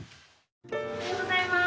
おはようございます。